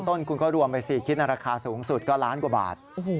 ต้นคุณก็รวมไป๔ชิ้นราคาสูงสุดก็ล้านกว่าบาท